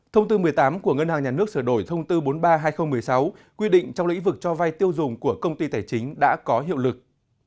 thông tư một mươi tám của ngân hàng nhà nước sửa đổi thông tư bốn mươi ba hai nghìn một mươi sáu quy định trong lĩnh vực cho vai tiêu dùng của công ty tài chính đã có hiệu lực